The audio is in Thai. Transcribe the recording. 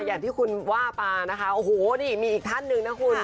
อย่างที่คุณว่าไปนะคะโอ้โหนี่มีอีกท่านหนึ่งนะคุณ